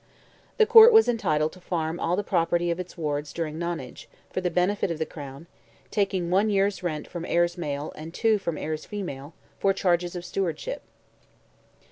The Court was entitled to farm all the property of its Wards during nonage, for the benefit of the Crown, "taking one year's rent from heirs male, and two from heirs female," for charges of stewardship.